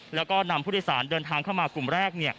แล้วก็นำผู้โดยสารเดินทางเข้ามากลุ่มแรก